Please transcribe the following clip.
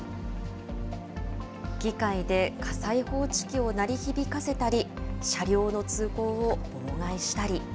議会で火災報知器を鳴り響かせたり、車両の通行を妨害したり。